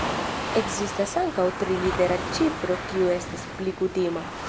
Ekzistas ankaŭ trilitera ĉifro kiu estas pli kutima.